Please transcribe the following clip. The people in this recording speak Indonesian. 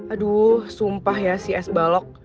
aduh sumpah ya si es balok